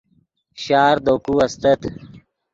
شار دے کو استت